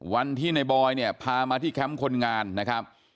วันที่ในบอยเนี่ยพามาที่แคมป์คนงานนะครับ